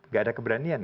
gak ada keberanian